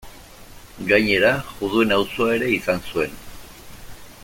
Gainera, juduen auzoa ere izan zuen.